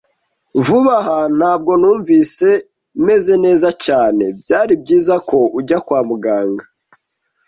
"Vuba aha ntabwo numvise meze neza cyane." "Byari byiza ko ujya kwa muganga."